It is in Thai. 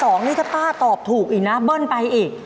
นี่ถ้าป้าตอบถูกอีกนะเบิ้ลไปอีก